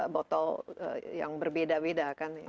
botol yang berbeda beda kan